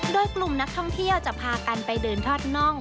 โดยกลุ่มนักท่องเที่ยวจะพากันไปเดินทอดน่อง